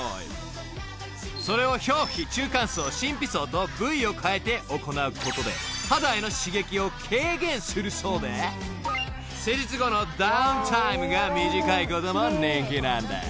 ［それを表皮中間層真皮層と部位を変えて行うことで肌への刺激を軽減するそうで施術後のダウンタイムが短いことも人気なんです］